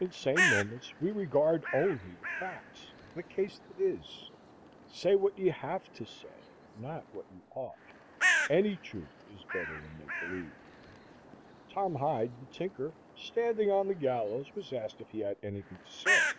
In sane moments we regard only the facts, the case that is. Say what you have to say, not what you ought. Any truth is better than make believe. Tom Hyde, the tinker, standing on the gallows, was asked if he had anything to say.